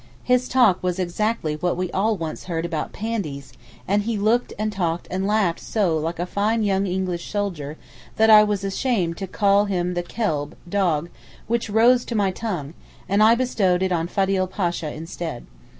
His talk was exactly what we all once heard about 'Pandies,' and he looked and talked and laughed so like a fine young English soldier, that I was ashamed to call him the kelb (dog) which rose to my tongue, and I bestowed it on Fadil Pasha instead.